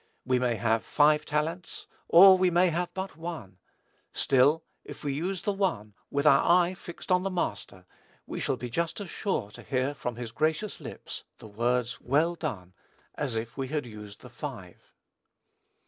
We may have "five talents," or we may have but "one:" still, if we use the "one," with our eye fixed on the Master, we shall be just as sure to hear from his gracious lips the words, "well done," as if we had used the "five."